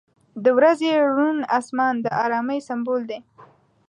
• د ورځې روڼ آسمان د آرامۍ سمبول دی.